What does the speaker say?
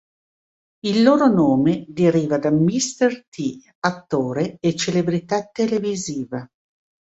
Il loro nome deriva da Mr. T, attore e celebrità televisiva.